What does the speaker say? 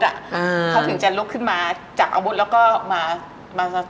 เขาถึงจะลุกขึ้นมาจับอาวุธแล้วก็มาตอบสู้ได้เนอะ